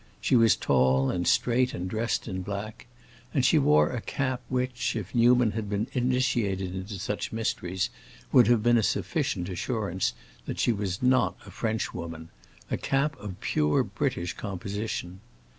She was tall and straight and dressed in black, and she wore a cap which, if Newman had been initiated into such mysteries, would have been a sufficient assurance that she was not a Frenchwoman; a cap of pure British composition.